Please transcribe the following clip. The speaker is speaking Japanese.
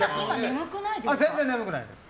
全然眠くないです。